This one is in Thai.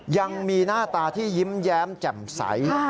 ยังมีหน้าตาที่ยิ้มแย้มแจ่มใส